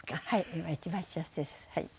今一番幸せですはい。